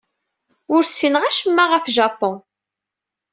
Ur ssineɣ acemma ɣef Japun.